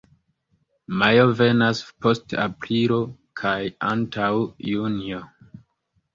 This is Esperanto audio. Majo venas post aprilo kaj antaŭ junio.